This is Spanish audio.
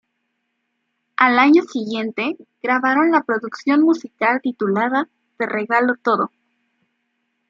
Al año siguiente, grabaron la producción musical titulada "Te regalo todo".